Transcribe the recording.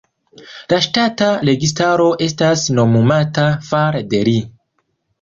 La ŝtata registaro estas nomumata fare de li.